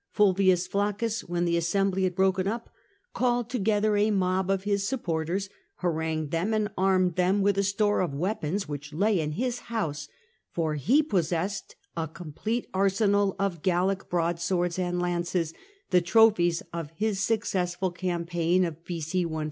Eulvius Flaccus, when the assembly had broken up, called together a mob of his supporters, harangued them and armed them with a store of weapons which lay in his house, for he possessed a complete arsenal of Gallic broadswords and lances, the trophies of his successful campaign of B.a 125.